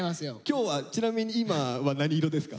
今日はちなみに今は何色ですか？